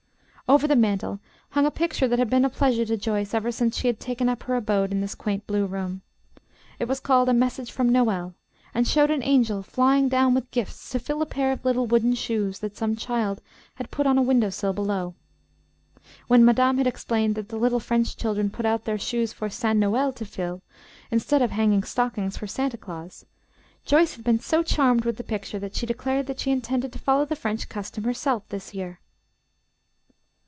Over the mantel hung a picture that had been a pleasure to Joyce ever since she had taken up her abode in this quaint blue room. It was called "A Message from Noël," and showed an angel flying down with gifts to fill a pair of little wooden shoes that some child had put out on a window sill below. When madame had explained that the little French children put out their shoes for Saint Noël to fill, instead of hanging stockings for Santa Claus, Joyce had been so charmed with the picture that she declared that she intended to follow the French custom herself, this year.